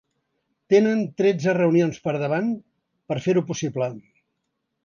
Tenen tretze reunions per davant per a fer-ho possible.